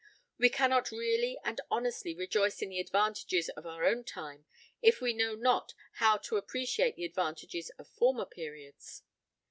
We cannot really and honestly rejoice in the advantages of our own time if we know not how to appreciate the advantages of former periods.